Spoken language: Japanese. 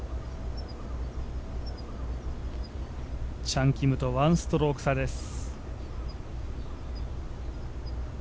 チャン・キムと１ストローク差です。